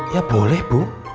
ya boleh bu